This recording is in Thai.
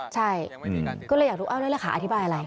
ใช่ก็เลยอยากรู้อ้าวแล้วเลขาอธิบายอะไร